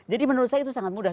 jadi menurut saya itu sangat mudah